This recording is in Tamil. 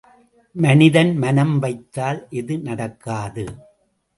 மனிதன் மனம் வைத்தால் எது நடக்காது?